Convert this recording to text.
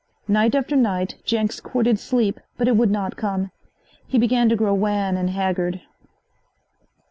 Night after night Jenks courted sleep, but it would not come. He began to grow wan and haggard.